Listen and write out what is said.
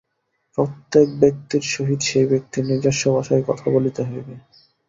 প্রত্যেক ব্যক্তির সহিত সেই ব্যক্তির নিজস্ব ভাষায় কথা বলিতে হইবে।